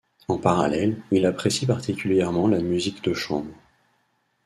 En parallèle, il apprécie particulièrement la musique de chambre.